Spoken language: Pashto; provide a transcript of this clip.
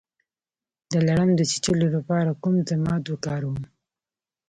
د لړم د چیچلو لپاره کوم ضماد وکاروم؟